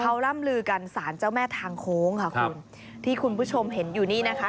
เขาร่ำลือกันสารเจ้าแม่ทางโค้งค่ะคุณที่คุณผู้ชมเห็นอยู่นี่นะคะ